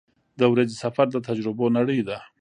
• د ورځې سفر د تجربو نړۍ ده.